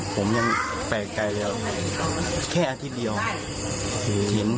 ผมยังไปไกลแล้วแค่อาทิตย์เดียว